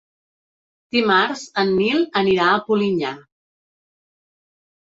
Dimarts en Nil anirà a Polinyà.